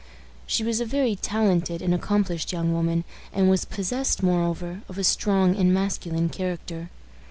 She was a very talented and accomplished young woman, and was possessed, moreover, of a strong and masculine character.